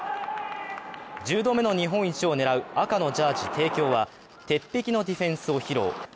１０度目の日本一を狙う赤のジャージー、帝京は鉄壁のディフェンスを披露。